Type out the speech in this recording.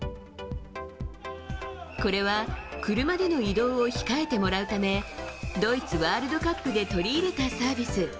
これは車での移動を控えてもらうためドイツワールドカップで取り入れたサービス。